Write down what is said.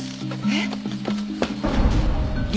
えっ！？